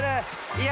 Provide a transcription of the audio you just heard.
いや］